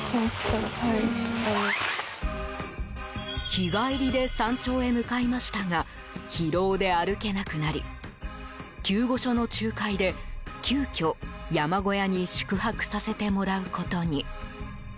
日帰りで山頂へ向かいましたが疲労で歩けなくなり救護所の仲介で急きょ、山小屋に宿泊させてもらうことに。